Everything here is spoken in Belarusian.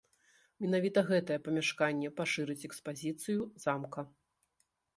Менавіта гэтае памяшканне пашырыць экспазіцыю замка.